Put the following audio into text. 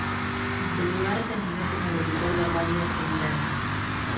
En su lugar, terminó como locutor de radio en Irán.